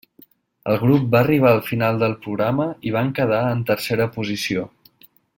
El grup va arribar al final del programa i van quedar en tercera posició.